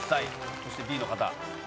そしてＢの方。